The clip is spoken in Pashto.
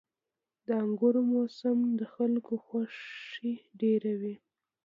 • د انګورو موسم د خلکو خوښي ډېروي.